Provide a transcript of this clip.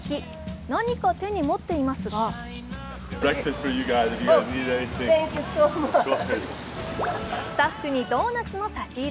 何か手に持っていますがスタッフにドーナツの差し入れ。